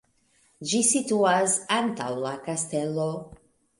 Ĝi situas antaŭ la kastelo.